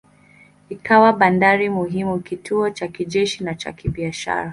Ikawa bandari muhimu, kituo cha kijeshi na cha kibiashara.